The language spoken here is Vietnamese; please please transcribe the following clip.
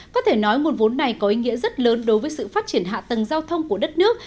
có thể nói nguồn vốn này có ý nghĩa rất lớn đối với sự phát triển hạ tầng giao thông của đất nước